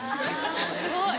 すごい。